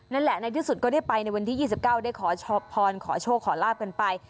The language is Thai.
ในที่สุดก็ได้ไปในวันที่๒๙ได้ขอพรขอโชคขอลาบกันไป